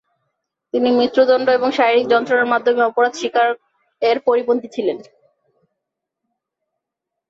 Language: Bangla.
তিনি মৃত্যুদণ্ড এবং শারীরিক যন্ত্রনার মাধ্যমে অপরাধ স্বীকার-এর পরিপন্থী ছিলেন।